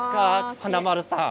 華丸さん。